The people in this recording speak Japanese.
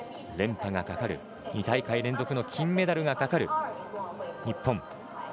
連覇がかかる２大会連続の金メダルがかかる日本。